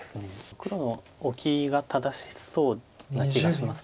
黒のオキが正しそうな気がします。